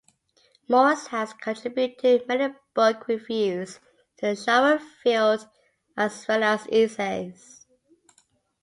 Morris has contributed many book reviews to the genre field, as well as essays.